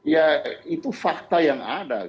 ya itu fakta yang ada